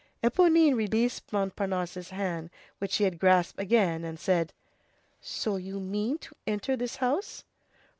Éponine released Montparnasse's hand, which she had grasped again, and said:— "So you mean to enter this house?"